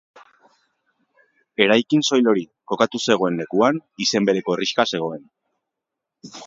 Eraikin soil hori kokatu dagoen lekuan, izen bereko herrixka zegoen.